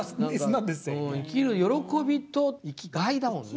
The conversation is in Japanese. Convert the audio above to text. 生きる喜びと生きがいだもんね。